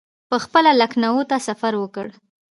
پخپله لکنهو ته سفر وکړي.